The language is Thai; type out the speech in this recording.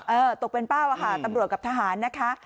ตกเป็นเป้าอะค่ะตำรวจกับทหารนะคะ